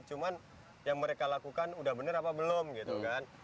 cuma yang mereka lakukan udah benar apa belum gitu kan